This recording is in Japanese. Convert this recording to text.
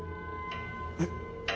えっ。